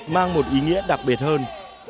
hai nghìn hai mươi mang một ý nghĩa đặc biệt hơn